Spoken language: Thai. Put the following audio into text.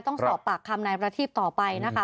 ต้องสอบปากคำนายประทีบต่อไปนะคะ